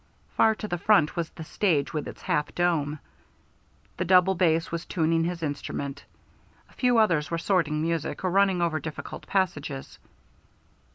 Far to the front was the stage with its half dome; the double bass was tuning his instrument, a few others were sorting music or running over difficult passages.